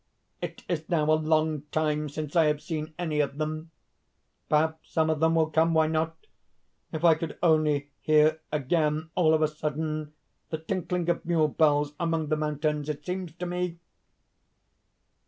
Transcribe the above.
"It is now a long time since I have seen any of them! Perhaps some of them will come! why not? If I could only hear again, all of a sudden, the tinkling of mule bells among the mountains. It seems to me...."